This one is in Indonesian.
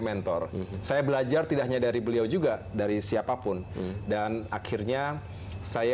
mentor saya belajar tidak hanya dari beliau juga dari siapapun dan akhirnya saya